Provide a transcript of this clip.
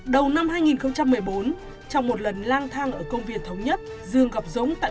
đầu năm hai nghìn một mươi bốn trong một lần lang thang ở công viên thống nhất dương gặp dũng tại